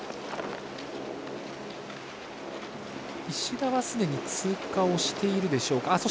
石田はすでに通過をしているでしょうか。